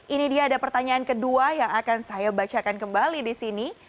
ini dia ada pertanyaan kedua yang akan saya bacakan kembali di sini